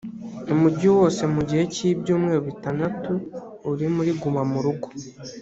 umugi wose mu gihe cy ibyumweru bitandatu uri muri guma mu rugo